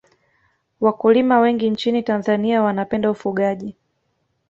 Wakulima wengi nchini tanzania wanapenda ufugaji